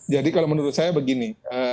jadi kalau menurut saya begini